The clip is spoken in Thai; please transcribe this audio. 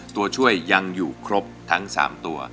ตัวช่วยยังอยู่ครบทั้ง๓ตัว